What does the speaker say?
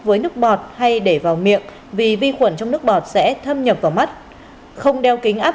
với nước bọt hay để vào miệng vì vi khuẩn trong nước bọt sẽ thâm nhập vào mắt không đeo kính áp